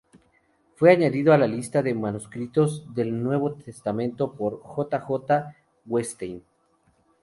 Fue añadido a la lista de manuscritos del Nuevo Testamento por J. J. Wettstein.